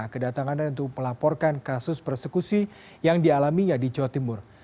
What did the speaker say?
kedatangannya untuk melaporkan kasus persekusi yang dialaminya di jawa timur